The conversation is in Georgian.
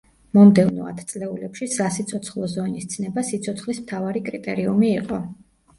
მომდევნო ათწლეულებში სასიცოცხლო ზონის ცნება სიცოცხლის მთავარი კრიტერიუმი იყო.